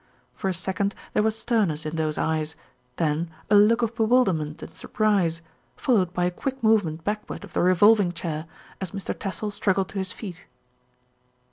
For a second there was sternness in those eyes, then a look of bewilderment and surprise, followed by a quick movement backward of the revolv ing chair, as Mr. Tassell struggled to his feet.